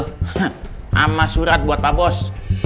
sama surat buat pak bos